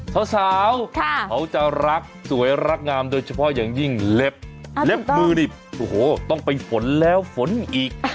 สาวเขาจะรักสวยรักงามโดยเฉพาะอย่างยิ่งเล็บเล็บมือนี่โอ้โหต้องไปฝนแล้วฝนอีก